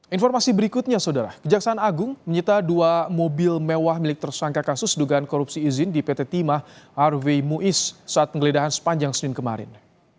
informasi berikutnya saudara kejaksaan agung menyita dua mobil mewah milik tersangka kasus dugaan korupsi izin di pt timah arvei muiz saat penggeledahan sepanjang senin kemarin